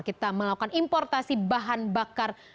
kita melakukan importasi bahan bakar